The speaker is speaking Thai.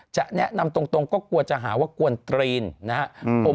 จะแนะนำตรงก็กลัวจะหาว่ากวนตรีนนะครับ